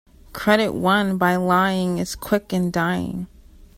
Credit won by lying is quick in dying.